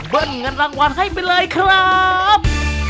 เงินรางวัลให้ไปเลยครับ